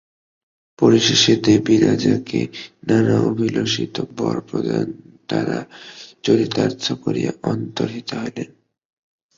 পরিশেষে দেবী রাজাকে নানা অভিলষিত বর প্রদান দ্বারা চরিতার্থ করিয়া অন্তর্হিতা হইলেন।